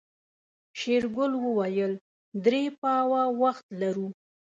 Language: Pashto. شېرګل وويل درې پاوه وخت لرو.